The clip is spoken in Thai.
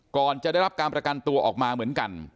ก่อนจะได้รับการประกันตัวออกมาเหมือนกัน